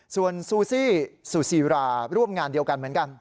ส่วนซูซี่ซูซีราร่วมงานเดียวกันเหมือนกัน